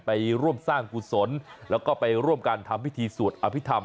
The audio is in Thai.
ไปร่วมสร้างกุศลแล้วก็ไปร่วมกันทำพิธีสวดอภิษฐรร